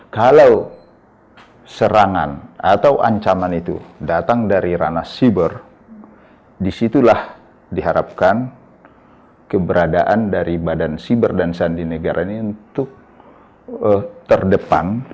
kalau serangan atau ancaman itu datang dari ranah siber disitulah diharapkan keberadaan dari badan siber dan sandi negara ini untuk terdepan